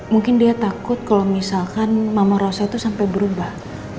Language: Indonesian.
mungkin dia takut kalau misalkan mama rosa itu sampai berubah